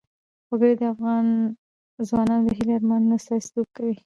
وګړي د افغان ځوانانو د هیلو او ارمانونو استازیتوب کوي.